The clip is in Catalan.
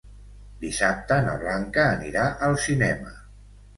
Dissabte na Blanca anirà al cinema.